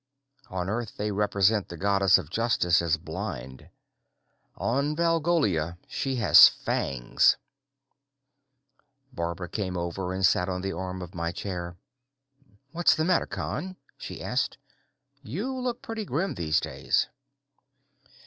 On Earth they represent the goddess of justice as blind. On Valgolia she has fangs. Barbara came over and sat on the arm of my chair. "What's the matter, Con?" she asked. "You look pretty grim these days."